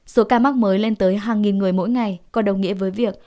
số ca mắc mới lên tới hàng nghìn người mỗi ngày có đồng nghĩa với việc